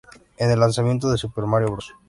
En el lanzamiento de Super Mario Bros.